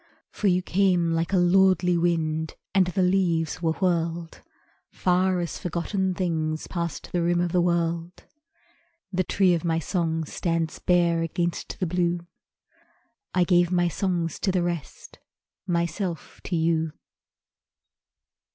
For you came like a lordly wind, And the leaves were whirled Far as forgotten things Past the rim of the world. The tree of my song stands bare Against the blue I gave my songs to the rest, Myself to you.